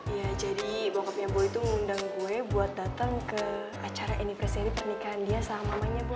ya jadi bokapnya boy itu ngundang gue buat datang ke acara anniversary pernikahan dia sama mamanya boy